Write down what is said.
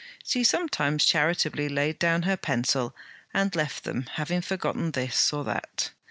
She sometimes charitably laid down her pencil and left them, having forgotten this or that.